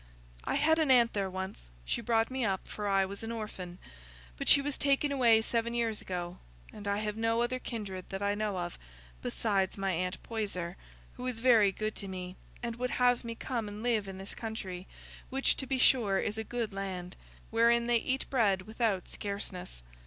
"I had an aunt there once; she brought me up, for I was an orphan. But she was taken away seven years ago, and I have no other kindred that I know of, besides my Aunt Poyser, who is very good to me, and would have me come and live in this country, which to be sure is a good land, wherein they eat bread without scarceness.